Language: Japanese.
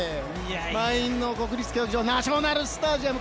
満員の国立競技場ナショナルスタジアム。